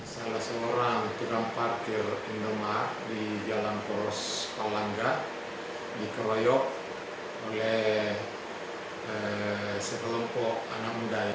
salah seorang turun parkir di jalan koros palangga dikeroyok oleh sekelompok anak muda